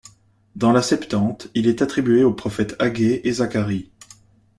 Dans la Septante, il est attribué aux prophètes Aggée et Zacharie.